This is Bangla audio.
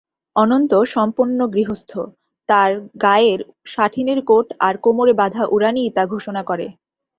অনন্ত সম্পন্ন গৃহস্থ তার গায়ের সাঠিনের কোট আর কোমরে বাঁধা উড়ানিই তা ঘোষণা করে!